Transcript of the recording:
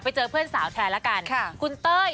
ไปเจอเพื่อนสาวแทนแล้วกันคุณเต้ย